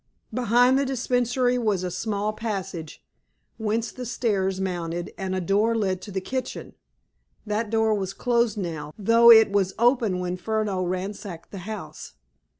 Behind the dispensary was a small passage, whence the stairs mounted, and a door led to the kitchen. That door was closed now, though it was open when Furneaux ransacked the house.